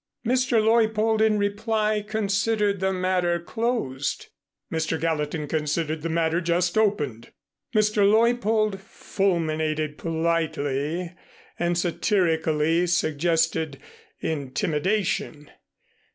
Mr. Leuppold in reply considered the matter closed. Mr. Gallatin considered the matter just opened. Mr. Leuppold fulminated politely and satirically suggested intimidation.